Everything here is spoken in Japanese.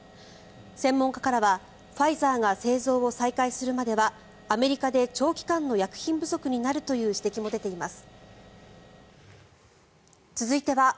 専門家からは、ファイザーが製造を再開するまではアメリカで長期間の薬品不足になるという指摘も出ています。